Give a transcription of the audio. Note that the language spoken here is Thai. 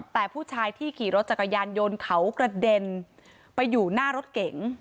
แต่ผู้ชายที่ขี่รถจักรยานยนต์เขากระเด็นไปอยู่หน้ารถเก๋ง